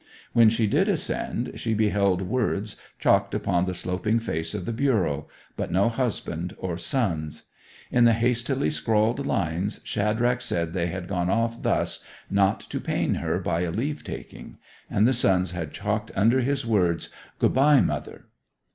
When she did descend she beheld words chalked upon the sloping face of the bureau; but no husband or sons. In the hastily scrawled lines Shadrach said they had gone off thus not to pain her by a leave taking; and the sons had chalked under his words: 'Good bye, mother!